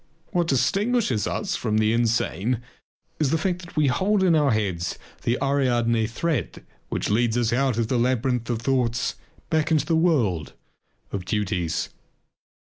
What distinguishes us from the insane is the fact that we hold in our hands the Ariadne thread which leads us out of the labyrinth of thoughts back into the world of duties.